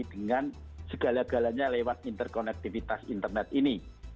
dengan segala galanya lewat interkonektivitas internet ini